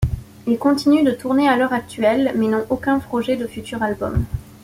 Ils continuent de tourner à l'heure actuelle, mais n'ont aucun projet de futur album.